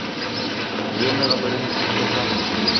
Приемныйға берәйһе килеп ҡуйһа?